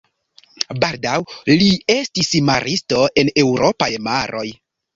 Baldaŭ li estis maristo en eŭropaj maroj.